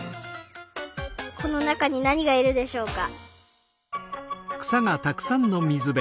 このなかになにがいるでしょうか？